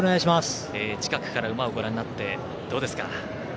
近くから馬をご覧になってどうですか？